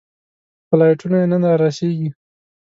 فلایټونه یې نن رارسېږي.